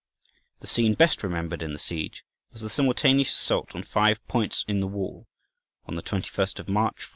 The scene best remembered in the siege was the simultaneous assault on five points in the wall, on the 21st of March, 537.